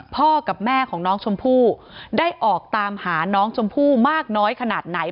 พ่อกับแม่ของน้องชมพู่ได้ออกตามหาน้องชมพู่มากน้อยขนาดไหน